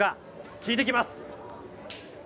聞いてきます！